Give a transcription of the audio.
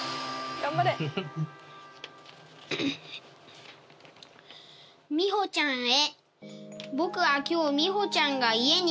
頑張れ「美穂ちゃんへ」